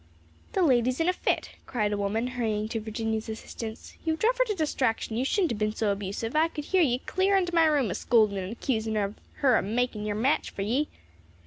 "The lady's in a fit!" cried a woman, hurrying to Virginia's assistance; "you've druv her to distraction; you shouldn't a ben so abusive; I could hear ye clear into my room a scoldin' and accusin' of her of makin' your match fer ye."